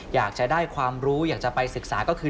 อยากจะได้ความรู้อยากจะไปศึกษาก็คือ